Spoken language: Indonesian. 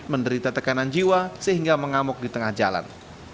menderita tekanan jiwa sehingga mengamuk di tengah jalan